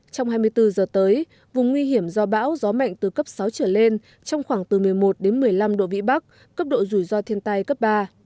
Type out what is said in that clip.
trong hai mươi bốn giờ tới vùng nguy hiểm do bão gió mạnh từ cấp sáu trở lên trong khoảng từ một mươi một đến một mươi năm độ vĩ bắc cấp độ rủi ro thiên tai cấp ba